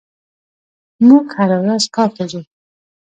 موږ هره ورځ کار ته ځو.